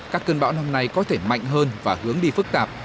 các cơn bão năm nay có thể mạnh hơn và hướng đi phức tạp